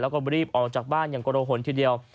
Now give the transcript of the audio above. แล้วก็รีบออกจากบ้านอย่างกระหนทีเดียว